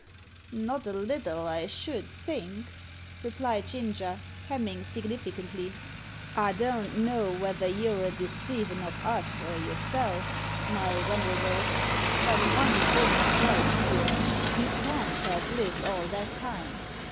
"Not a little, I should think," replied Ginger, hemming significantly. "I don't know vether you're a deceivin' of us or yourself, my wenerable; but von thing's quite clear you can't have lived all that time.